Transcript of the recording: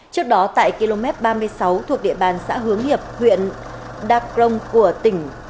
trước đó tại km ba mươi sáu thuộc địa bàn xã hướng hiệp huyện đắk rông của tỉnh